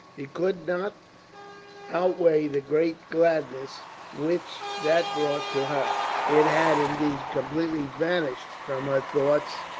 It could not outweigh the great gladness which that brought to her it had, indeed, completely vanished from her thoughts.